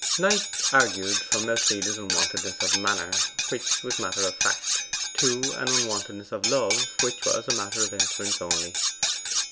Knight argued from Elfride's unwontedness of manner, which was matter of fact, to an unwontedness in love, which was matter of inference only.